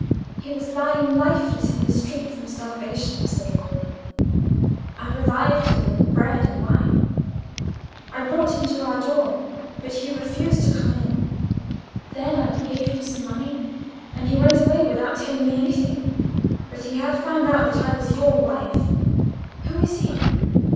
"He was lying lifeless in the street from starvation," said Romola. "I revived him with bread and wine. I brought him to our door, but he refused to come in. Then I gave him some money, and he went away without telling me anything. But he had found out that I was your wife. Who is he?"